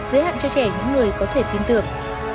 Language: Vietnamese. giới hạn cho trẻ những người có thể tin tưởng